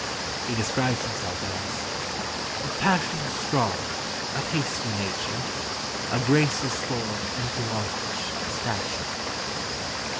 He describes himself as 'Of passions strong, of hasty nature, Of graceless form and dwarfish stature.